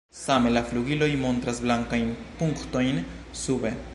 Same la flugiloj montras blankajn punktojn sube.